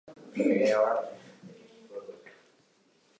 No desplegar els llavis.